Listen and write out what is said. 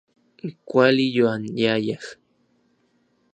Kuali yoanyayaj.